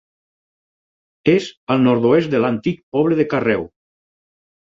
És al nord-oest de l'antic poble de Carreu.